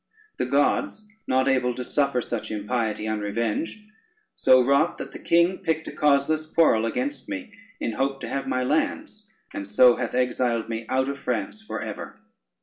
The gods, not able to suffer such impiety unrevenged, so wrought, that the king picked a causeless quarrel against me in hope to have my lands, and so hath exiled me out of France for ever.